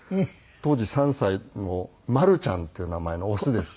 当時３歳のまるちゃんという名前のオスです。